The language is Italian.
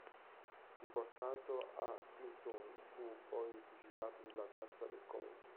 Riportato a Clusone fu poi fucilato sulla piazza del comune.